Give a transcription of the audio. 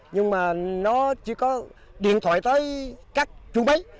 nhưng mà nó chỉ có điện thoại tới các chú máy